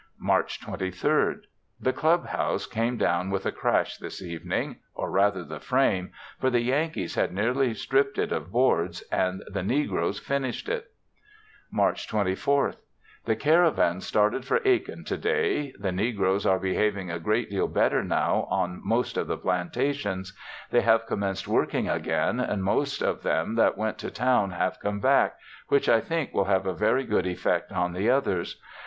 March 23rd. The Club House came down with a crash this evening, or rather the frame, for the Yankees had nearly stripped it of boards and the negroes finished it. March 24th. The caravan started for Aiken to day. The negroes are behaving a great deal better now on most of the plantations; they have commenced working again, and most of them that went to town have come back, which I think will have a very good effect on the others.